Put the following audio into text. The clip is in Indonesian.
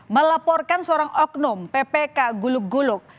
melaporkan seorang oknum ppk gulug gulug